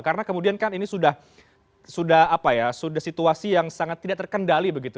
karena kemudian kan ini sudah situasi yang sangat tidak terkendali begitu